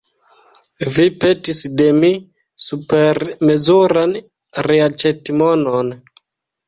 Vi petis de mi supermezuran reaĉetmonon.